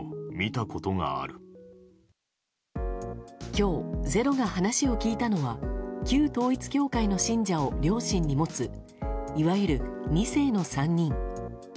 今日、「ｚｅｒｏ」が話を聞いたのは旧統一教会の信者を両親に持ついわゆる２世の３人。